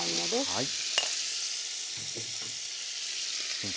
はい。